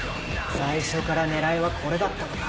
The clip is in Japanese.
最初から狙いはこれだったのか。